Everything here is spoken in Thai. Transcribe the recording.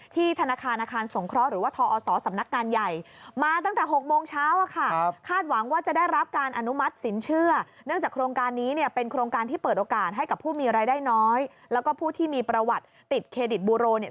ที่ธนาคารอาคารสงคร้อหรือว่าทอศสำนักงานใหญ่